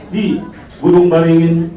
di gunung baringin